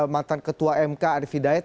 mantan ketua mk arief hidayat